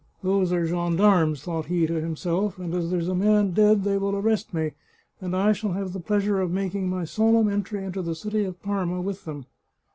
" Those are gendarmes," thought he to himself, " and as there's a man dead they will arrest me, and I shall have the pleasure of making my solemn entry into the city of Parma with them!